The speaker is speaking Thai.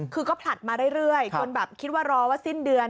คือก็ผลัดมาเรื่อยจนแบบคิดว่ารอว่าสิ้นเดือน